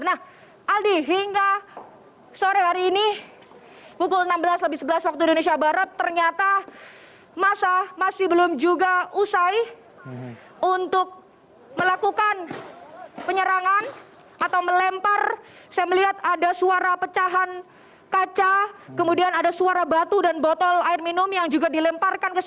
nah aldi hingga sore hari ini pukul enam belas lebih sebelas waktu indonesia barat